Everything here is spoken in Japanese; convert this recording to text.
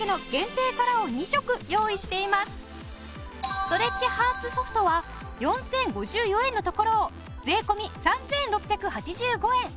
ストレッチハーツソフトは４０５４円のところを税込３６８５円。